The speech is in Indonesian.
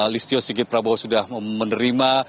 listio sigit prabowo sudah menerima